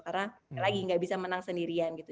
karena lagi gak bisa menang sendirian gitu